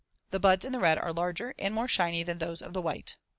The buds in the red are larger and more shiny than those of the white.